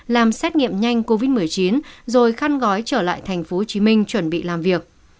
làm xét nghiệm nhanh covid một mươi chín rồi khăn gói trở lại tp hcm chuẩn bị làm việc